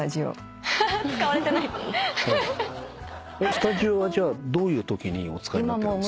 スタジオはじゃあどういうときにお使いになってるんですか？